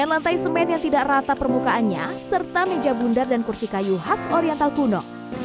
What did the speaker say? sembilan lantai semen yang tidak rata permukaannya serta meja bundar dan kursi kayu khas oriental kuno